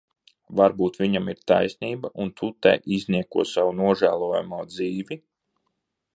Varbūt viņam ir taisnība un tu te iznieko savu nožēlojamo dzīvi?